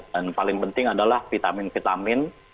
dan paling penting adalah vitamin vitamin